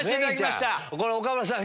これ岡村さん